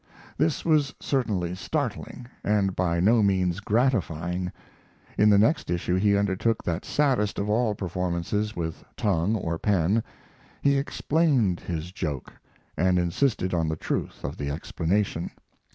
This was certainly startling, and by no means gratifying. In the next issue he undertook that saddest of all performances with tongue or pen: he explained his joke, and insisted on the truth of the explanation.